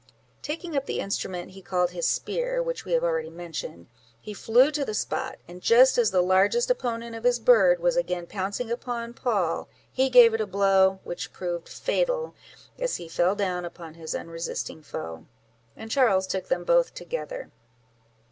Taking up the instrument he called his spear, which we have already mentioned, he flew to the spot, and just as the largest opponent of his bird was again pouncing upon Poll, he gave him a blow, which proved fatal, as he fell down upon his unresisting foe, and Charles took them both together.